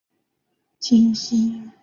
这个任务的一部分还包括飞越金星。